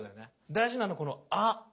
大事なのこの「Ａ」。